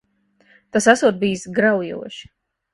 Tas esot bijis graujoši.